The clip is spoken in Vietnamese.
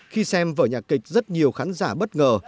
khi xem vở nhạc kịch rất nhiều khán giả bất ngờ